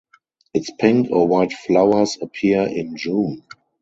Its pink or white flowers appear in June.